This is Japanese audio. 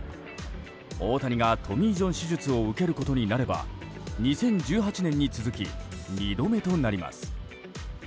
大谷がトミー・ジョン手術を受けることになれば２０１８年に続き２度目となります。